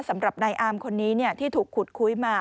สำหรับนายอามคนนี้ที่ถูกขุดคุยมา